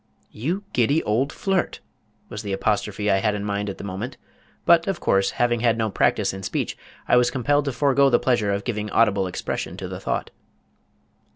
"You giddy old flirt!" was the apostrophe I had in mind at the moment, but, of course, having had no practice in speech I was compelled to forego the pleasure of giving audible expression to the thought.